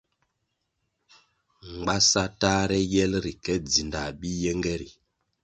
Mgbasa tahre yel ri ke dzindah bi yenge ri.